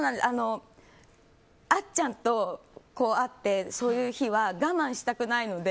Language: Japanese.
あっちゃんと会ってそういう日は我慢したくないので。